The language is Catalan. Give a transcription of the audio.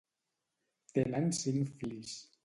Tenen cinc fills.